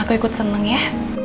aku ikut seneng ya